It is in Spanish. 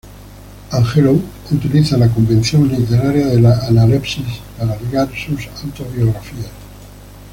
Angelou utiliza la convención literaria de la analepsis para ligar sus autobiografías.